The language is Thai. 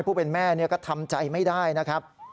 ผู้เป็นแม่ก็ทำใจไม่ได้นะครับ